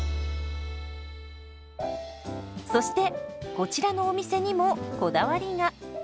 そしてこちらのお店にもこだわりが。